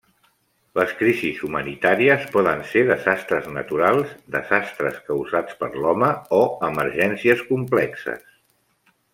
Les crisis humanitàries poden ser desastres naturals, desastres causats per l'home o emergències complexes.